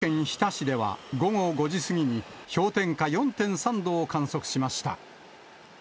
大分県日田市では、午後５時過ぎに氷点下４．３度を観測しました。